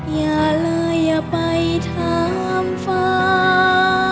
อย่าเลยอย่าไปถามฟ้า